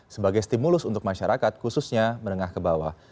sebagai stimulus untuk masyarakat khususnya menengah ke bawah